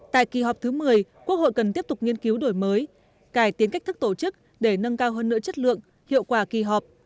tại kỳ họp thứ một mươi quốc hội cần tiếp tục nghiên cứu đổi mới cải tiến cách thức tổ chức để nâng cao hơn nửa chất lượng hiệu quả kỳ họp